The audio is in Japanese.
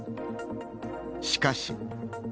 しかし。